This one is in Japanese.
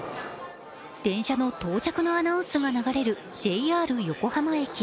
電車の到着のアナウンスが流れるＪＲ横浜駅。